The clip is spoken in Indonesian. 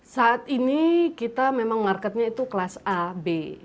saat ini kita memang marketnya itu kelas a b